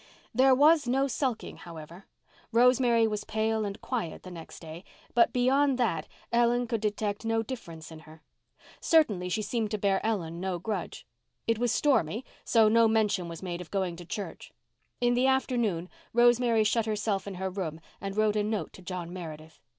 There was no sulking, however. Rosemary was pale and quiet the next day, but beyond that Ellen could detect no difference in her. Certainly, she seemed to bear Ellen no grudge. It was stormy, so no mention was made of going to church. In the afternoon Rosemary shut herself in her room and wrote a note to John Meredith.